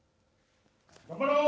頑張ろう。